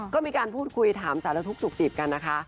ก็มีการพูดคุยถามสารทุกข์สุขติดกันนะคะ